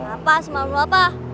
apa semalam lu apa